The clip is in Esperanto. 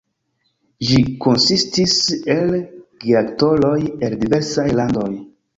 Ĝi konsistis el geaktoroj el diversaj landoj.